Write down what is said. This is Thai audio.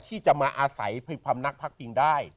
ที่จะมาอาศัยความนักพักปิงได้